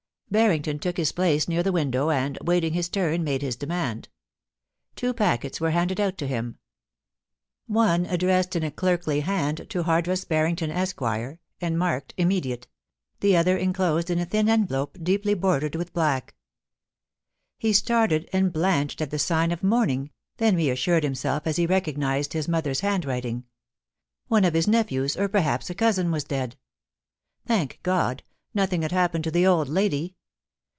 Barrington took his place near the window, and, waiting his turn, made his demand. Two packets were handed out to him. One addressed in a clerkly hand to *Hardress Barrington, Esq.,* and marked * immediate ;' the other in closed in a thin envelope deeply bordered with black. NEWS BY THE MAIL. 333 He started and blanched at the sign of mourning, then reassured himself as he recognised his mother's handwriting. One of his nephews, or perhaps a cousin, was dead Thank God, nothing had happened to the old lady.